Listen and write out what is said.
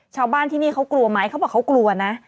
ชาวบ้านที่นี่เขากลัวไหมเขาบอกเขากลัวนะ